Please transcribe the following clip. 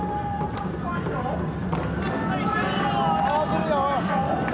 合わせるよ！